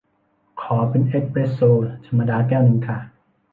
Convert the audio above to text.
ขอเป็นเอสเพรสโซธรรมดาแก้วนึงค่ะ